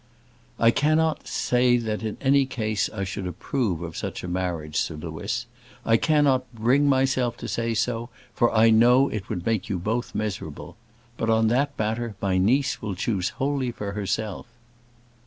"I cannot say that in any case I should approve of such a marriage, Sir Louis. I cannot bring myself to say so; for I know it would make you both miserable. But on that matter my niece will choose wholly for herself."